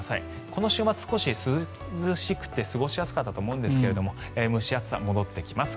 この週末、少し涼しくて過ごしやすかったと思いますが蒸し暑さ、戻ってきます。